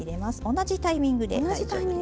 同じタイミングで大丈夫です。